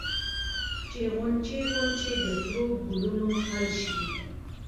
چې غونچې غونچې د سرو ګلونو ټل شي